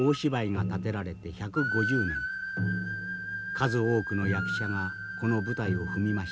数多くの役者がこの舞台を踏みました。